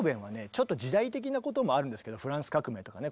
ちょっと時代的なこともあるんですけどフランス革命とかね